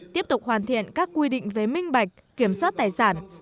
tiếp tục hoàn thiện các quy định về minh bạch kiểm soát tài sản